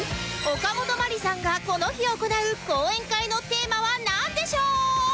おかもとまりさんがこの日行う講演会のテーマはなんでしょう？